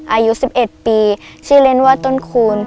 อายุ๑๑ปีชื่อเล่นว่าต้นคูณ